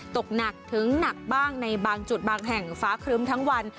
ตกหนักถึงหนักบ้างในบางจุดบางแห่งฟ้าครึ้มทั้งวัน